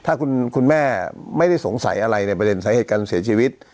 ถ้าคุณแม่ไม่ได้สงสัยอะไรในประเด็นสาเหตุการเสียชีวิต